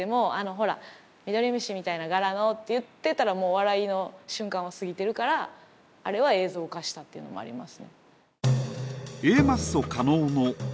「ほらミドリムシみたいな柄の」って言ってたらもう笑いの瞬間は過ぎてるからあれは映像化したっていうのもありますね。